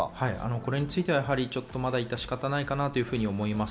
これについては、ちょっとまだ致し方ないかなと思います。